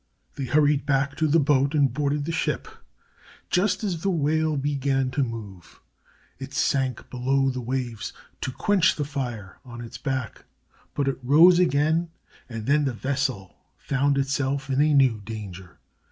They hurried back to the boat and boarded the ship just as the whale began to move. It sank below the waves to quench the fire on its back, but it rose again, and then the vessel found itself in a new danger.